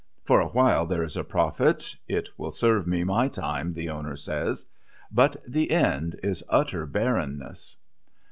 For a while there is a profit "it will serve me my time," the owner says but the end is utter barrenness.